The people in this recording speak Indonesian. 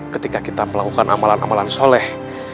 ketika kita melakukan amalan amalan soleh